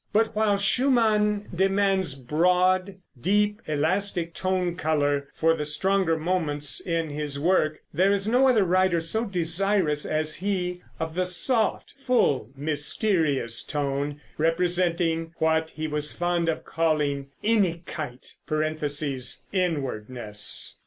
But while Schumann demands broad, deep, elastic tone color for the stronger moments in his work, there is no other writer so desirous as he of the soft, full, mysterious tone representing what he was fond of calling Innigkeit ("inwardness").